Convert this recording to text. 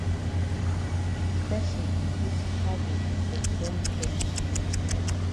Person put cargo for front door.